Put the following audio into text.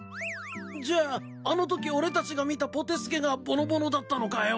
じゃああのとき俺たちが見たポテ助がぼのぼのだったのかよ。